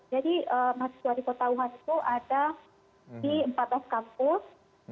jadi mahasiswa di kota wuhan itu ada di empat belas kampus